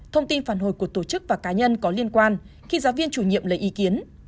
thông tin phản hồi của tổ chức và cá nhân có liên quan khi giáo viên chủ nhiệm lấy ý kiến